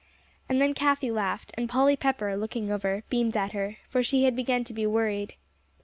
And then Cathie laughed, and Polly Pepper, looking over, beamed at her, for she had begun to be worried.